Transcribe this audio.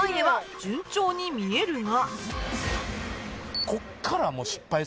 順調に見えるが